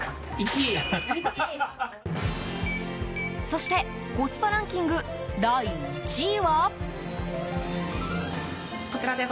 そしてコスパランキング第１位は。